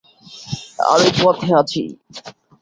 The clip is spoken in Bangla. আমি পথে আছি।